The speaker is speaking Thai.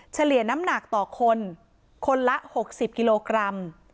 เฉลี่ยน้ำหนักต่อคนคนละ๖๐กิโลกรัม